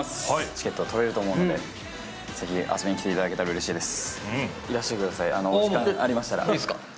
チケットをとれると思うので、ぜひ遊びに来ていただけたらうれしいです。